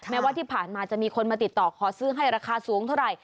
แม้ว่าที่ผ่านมาจะมีคนมาติดต่อขอซื้อให้ราคาสูงเท่าไหร่